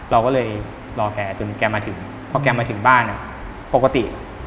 เราก็เลยรอแกจนแกมาถึงพอแกมาถึงบ้านปกติ